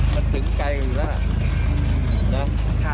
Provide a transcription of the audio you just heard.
มันถึงไกลแล้วนะ